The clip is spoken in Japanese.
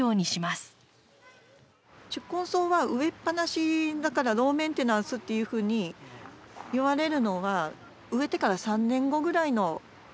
宿根草は植えっぱなしだからローメンテナンスっていうふうにいわれるのは植えてから３年後ぐらいの話です。